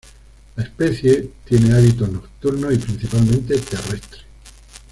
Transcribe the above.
La especie tiene hábitos nocturnos y principalmente terrestres.